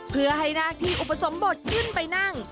เพื่อให้หน้าที่อุปสมบทขึ้นไปนั่ง